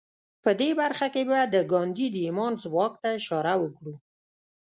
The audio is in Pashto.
په دې برخه کې به د ګاندي د ايمان ځواک ته اشاره وکړو.